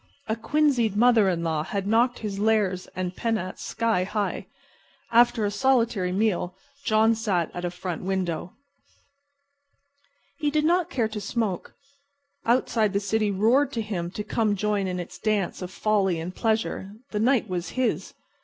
A quinzied mother in law had knocked his lares and penates sky high. After his solitary meal John sat at a front window. He did not care to smoke. Outside the city roared to him to come join in its dance of folly and pleasure. The night was his.